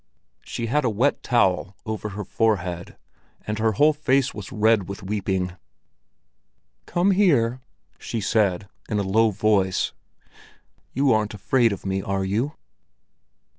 She had a wet towel over her forehead, and her whole face was red with weeping. "Come here!" she said, in a low voice. "You aren't afraid of me, are you?"